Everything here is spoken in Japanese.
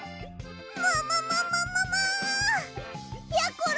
もももももも！やころ